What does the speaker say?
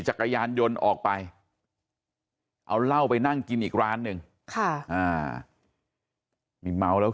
จักรยานยนต์ออกไปเอาเหล้าไปนั่งกินอีกร้านหนึ่งนี่เมาแล้ว